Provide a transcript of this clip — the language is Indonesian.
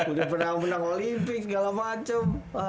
udah pernah menang olimpik segala macem